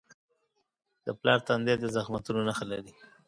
د پلار تندی د زحمتونو نښه لري.